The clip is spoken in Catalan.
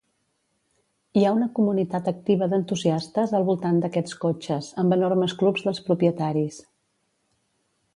Hi ha una comunitat activa d'entusiastes al voltant d'aquests cotxes, amb enormes clubs dels propietaris.